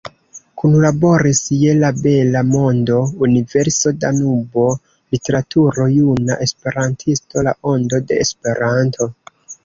Kunlaboris je "La Bela Mondo, Universo, Danubo, Literaturo, Juna Esperantisto, La Ondo de Esperanto.